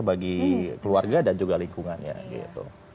bagi keluarga dan juga lingkungannya gitu